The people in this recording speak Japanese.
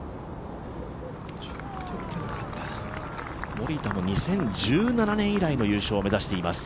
森田も２０１７年以来の優勝を目指しています。